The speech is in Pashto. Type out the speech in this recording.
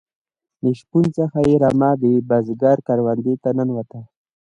شپون څخه یې رمه د بزگر کروندې ته ننوته.